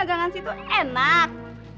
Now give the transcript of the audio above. nagangan situ enak